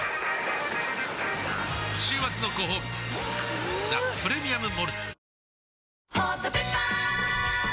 週末のごほうび「ザ・プレミアム・モルツ」